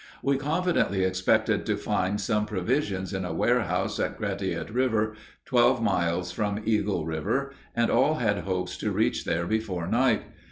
We confidently expected to find some provisions in a warehouse at Gratiot river, twelve miles from Eagle river, and all had hopes to reach there before night.